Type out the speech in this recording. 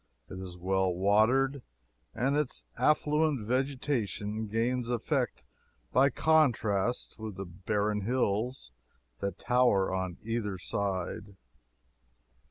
It is well watered, and its affluent vegetation gains effect by contrast with the barren hills that tower on either side.